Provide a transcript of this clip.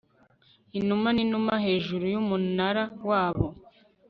Inuma ninuma hejuru yumunara wabo